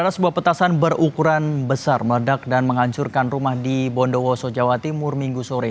sebuah petasan berukuran besar meledak dan menghancurkan rumah di bondowoso jawa timur minggu sore